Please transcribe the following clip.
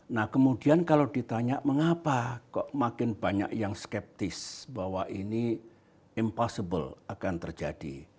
nah kemudian kalau ditanya mengapa kok makin banyak yang skeptis bahwa ini impossible akan terjadi